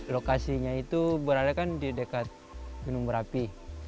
lokasinya itu berada kan di dekat gunung berapi